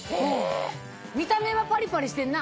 見た目はパリパリしてんな！